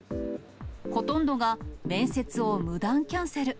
ほとんどが面接を無断キャンセル。